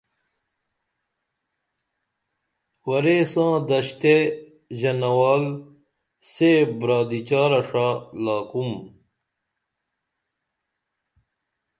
ورے ساں دشتے ژنوال سے برادی چارہ ݜا لاکُم